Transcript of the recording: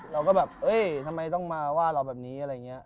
เราก็แบบเอ้ยทำไมต้องมาว่าเราแบบนี้อะไรอย่างนี้